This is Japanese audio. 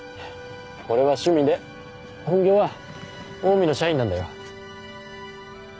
これは趣味で本業はオウミの社員なんだよ